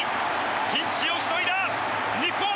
ピンチをしのいだ日本。